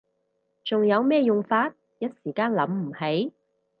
仲有咩用法？一時間諗唔起